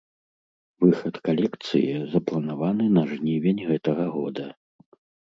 Выхад калекцыі запланаваны на жнівень гэтага года.